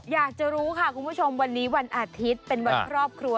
อยากจะรู้ค่ะคุณผู้ชมวันนี้วันอาทิตย์เป็นวันครอบครัว